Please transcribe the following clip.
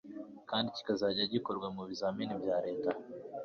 kandi kikazajya gikorwa mu bizamini bya leta.